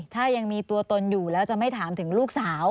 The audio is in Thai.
ถ้ายังมีตัวตนอยู่แล้วจะไม่ถามถึงลูกสาว